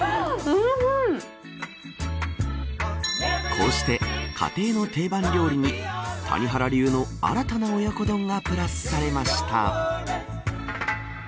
こうして家庭の定番料理に谷原流の新たな親子丼がプラスされました。